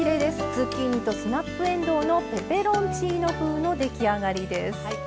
ズッキーニとスナップえんどうのペペロンチーノ風の出来上がりです。